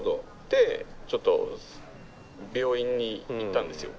でちょっと病院に行ったんですよ。